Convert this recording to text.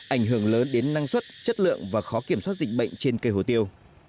ảnh hưởng lớn đến năng suất chất lượng và khó kiểm soát dịch bệnh trên cây hồ tiêu